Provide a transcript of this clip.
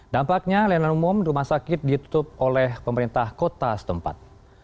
dampaknya layanan umum rumah sakit ditutup oleh pemerintah kota setempat